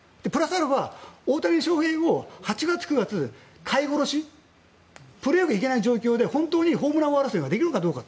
アルファ大谷翔平を８月、９月飼い殺しプレーオフ行けない状況で本当にホームラン争いができるのかどうか。